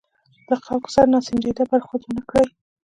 له خلکو سره ناسنجیده برخورد ونه کړي.